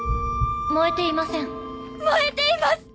燃えていません燃えています！